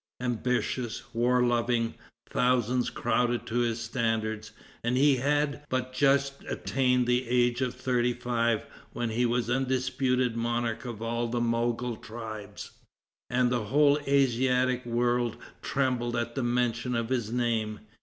Ambitious, war loving, thousands crowded to his standards, and he had but just attained the age of thirty five when he was the undisputed monarch of all the Mogol tribes, and the whole Asiatic world trembled at the mention of his name.